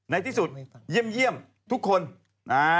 ในที่สุดเยี่ยมทุกคน